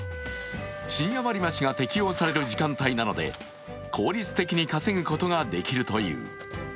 深夜割り増しが適用される時間帯なので効率的に稼ぐことができるという。